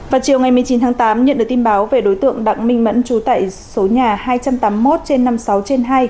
vào chiều ngày một mươi chín tháng tám nhận được tin báo về đối tượng đặng minh mẫn trú tại số nhà hai trăm tám mươi một trên năm mươi sáu trên hai